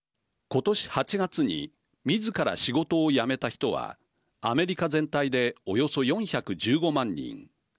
今年８月にみずから仕事を辞めた人はアメリカ全体でおよそ４１５万人。